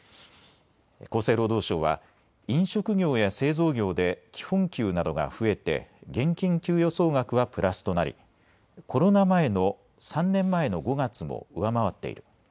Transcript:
厚生労働省は飲食業や製造業で基本給などが増えて現金給与総額はプラスとなりコロナ前の３年前の５月も上回っている。